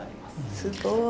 すごい。